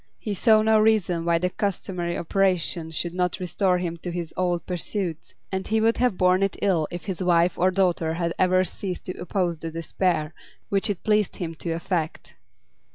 He saw no reason why the customary operation should not restore him to his old pursuits, and he would have borne it ill if his wife or daughter had ever ceased to oppose the despair which it pleased him to affect.